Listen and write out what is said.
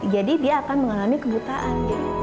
jadi dia akan mengalami kebutaan